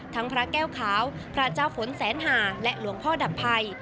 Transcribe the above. พระแก้วขาวพระเจ้าฝนแสนหาและหลวงพ่อดับภัย